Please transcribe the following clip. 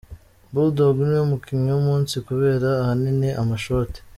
Bulldog niwe mukinnyi wumunsi kubera ahanini amashoti.